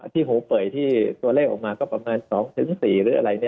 ที่หูเป่ยที่ตัวเลขออกมาก็ประมาณ๒๔หรืออะไร